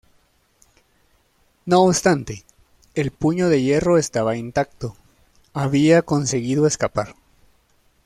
No obstante, el Puño de Hierro estaba intacto, había conseguido escapar.